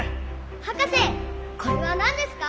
・博士これは何ですか？